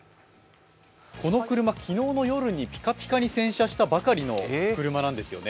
この車、昨日の夜にピカピカに洗車したばかりの車なんですよね。